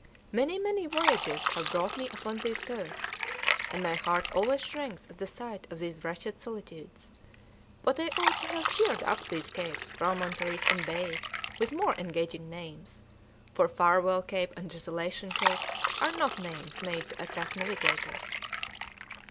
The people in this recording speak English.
Many, many voyages have brought me upon these coasts, and my heart always shrinks at the sight of these wretched solitudes; but they ought to have cheered up these capes, promontories, and bays with more engaging names, for Farewell Cape and Desolation Cape are not names made to attract navigators."